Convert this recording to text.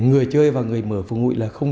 người chơi và người mở phường hội là không